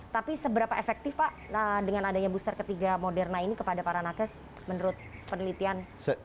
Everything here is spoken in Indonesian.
tapi seberapa efektif pak dengan adanya booster ketiga moderna ini kepada para nakes menurut penelitian